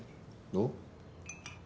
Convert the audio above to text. どう？